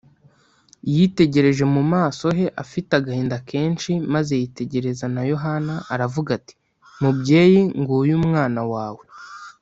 yitegereje mu maso he afite agahinda kenshi, maze yitegereza na yohana, aravuga ati, “mubyeyi, nguyu umwana wawe